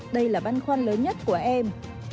đây là băn khoăn lớn nhất của em